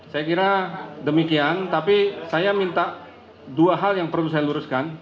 saya kira demikian tapi saya minta dua hal yang perlu saya luruskan